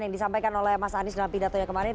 yang disampaikan oleh mas anies dalam pidatonya kemarin